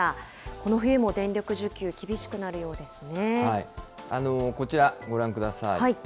この冬も電力需給、厳しくなるよこちらご覧ください。